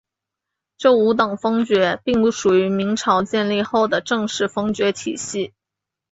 这五等封爵并不属于明朝建立后的正式封爵体系。